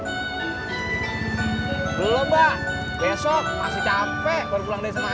belum pak besok masih capek baru pulang dari semarang